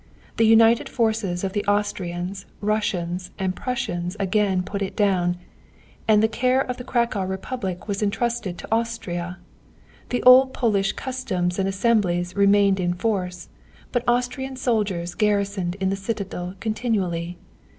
The united forces of the Austrians, Russians, and Prussians again put it down, and the care of the Cracow Republic was entrusted to Austria. The old Polish customs and assemblies remained in force, but Austrian soldiers garrisoned the citadel continually.